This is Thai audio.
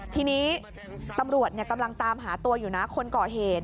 ทีนี้ตำรวจกำลังตามหาตัวอยู่นะคนก่อเหตุ